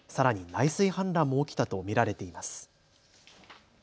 内水氾濫も起きたと見られています。